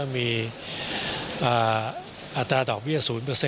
มีอัตราดอกเบี้ย๐